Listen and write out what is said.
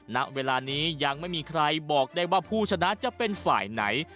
ณเวลานี้ยังไม่มีใครบอกได้ว่าผู้ชนะจะเป็นฝ่ายไหน